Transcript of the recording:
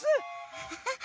アハハハハ。